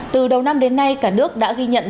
từ đầu năm đến nay cả nước đã ghi nhận